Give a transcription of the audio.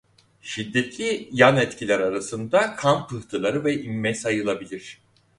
Şiddetli yan etkiler arasında kan pıhtıları ve inme sayılabilir.